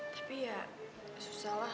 tapi ya susah lah